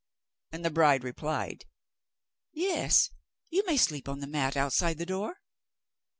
And the bride replied, 'Yes, you may sleep on the mat outside the door.